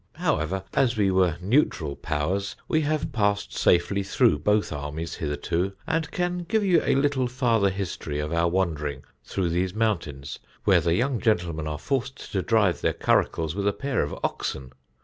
However, as we were neutral powers, we have passed safely through both armies hitherto, and can give you a little farther history of our wandering through these mountains, where the young gentlemen are forced to drive their curricles with a pair of oxen.